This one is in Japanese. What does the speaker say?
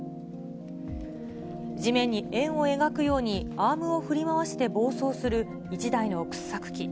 地面に円を描くように、アームを振り回して暴走する１台の掘削機。